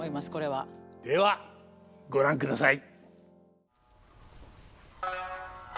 ではご覧ください。